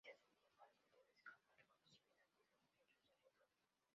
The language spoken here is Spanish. Ya sin tiempo, alguien debe descargar el conocimiento Antiguo en su cerebro.